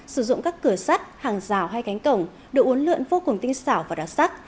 sử dụng các cửa sắt hàng rào hay cánh cổng độ uốn lượn vô cùng tinh xảo và đặc sắc